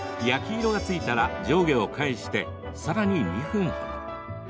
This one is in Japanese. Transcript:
焼き色がついたら上下を返して、さらに２分ほど。